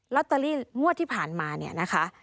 ลอตเตอรี่มวดที่ผ่านมานะคะ